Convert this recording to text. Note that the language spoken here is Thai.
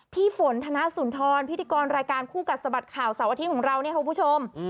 พี่ฝนธนสุนทรพิธีกรรายการคู่กัดสะบัดข่าวเสาร์อาทิตย์ของเราเนี่ยคุณผู้ชม